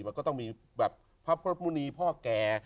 มันก็ต้องมีแบบพระพระมุณีพ่อแก่